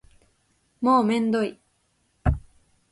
もうめんどい